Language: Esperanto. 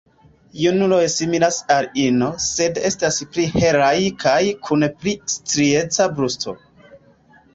Junuloj similas al ino, sed estas pli helaj kaj kun pli strieca brusto.